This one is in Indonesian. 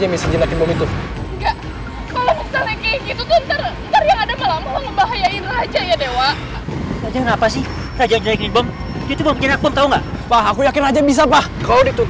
mungkin ini udah jalanin